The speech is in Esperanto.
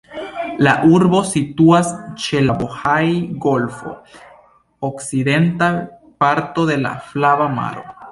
La urbo situas ĉe la Bohaj-golfo, okcidenta parto de la Flava Maro.